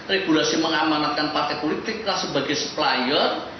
regulasi mengamanatkan partai politik sebagai supplier